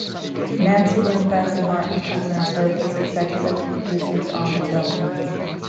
Nancy Moonves and Martin Tuchman served as executive producers on the film.